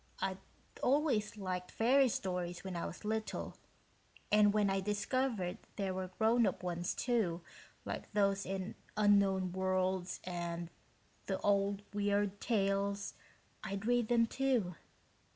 I'd always liked fairy stories when I was little and when I discovered there were grown up ones, too, like those in Unknown Worlds and the old Weird Tales, I read them, too.